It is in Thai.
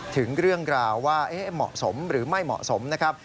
ถึงเรื่องราวว่าเหมาะสมหรือไม่เหมาะสมนะครับ